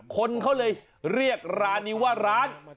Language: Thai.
คนเขาเลยเรียกร้านนี้ว่าร้าน